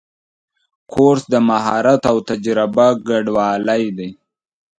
کورس د مهارت او تجربه ګډوالی دی.